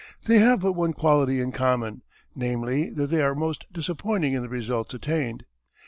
They have but one quality in common, namely that they are most disappointing in the results attained.